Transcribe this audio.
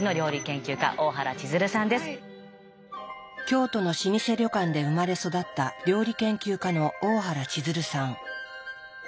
京都の老舗旅館で生まれ育った料理研究家の大原千鶴さん。